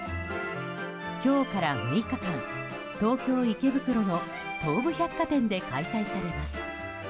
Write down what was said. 今日から６日間、東京・池袋の東武百貨店で開催されます。